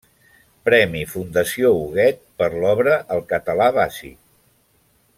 Premi Fundació Huguet per l'obra El Català Bàsic.